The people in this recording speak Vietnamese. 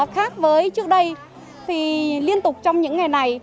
khác với trước đây thì liên tục trong những ngày này